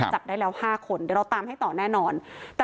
จับได้แล้ว๕คนเดี๋ยวเราตามให้ต่อแน่นอน